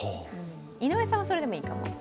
井上さんは、それでもいいかも。